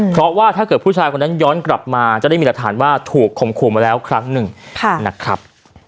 เพราะว่าถ้าเกิดผู้ชายคนนั้นย้อนกลับมาจะได้มีหลักฐานว่าถูกข่มขู่มาแล้วครั้งหนึ่งนะครับ